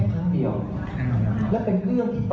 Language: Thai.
มันก็เลยกลายเป็นเรื่องใจโต